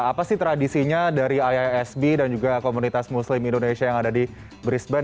apa sih tradisinya dari iisb dan juga komunitas muslim indonesia yang ada di brisbane